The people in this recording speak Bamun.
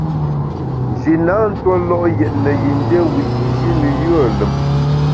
Nji na ntue lo’ yètne yin dié wiyi’shi ne yùe lùm.